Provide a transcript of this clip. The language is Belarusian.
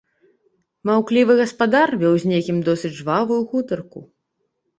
Маўклівы гаспадар вёў з некім досыць жвавую гутарку.